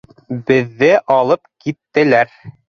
Беҙҙе алып киттеләр